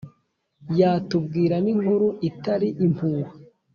Yatubwira n'inkuru itari impuha